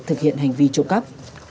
thực hiện hành vi trộm cắp